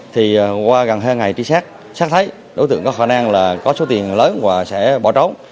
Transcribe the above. thì qua gần hai ngày trí xác xác thấy đối tượng có khả năng là có số tiền lớn và sẽ bỏ trống